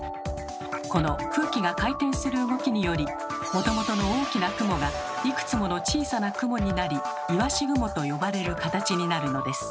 この空気が回転する動きによりもともとの大きな雲がいくつもの小さな雲になり「いわし雲」と呼ばれる形になるのです。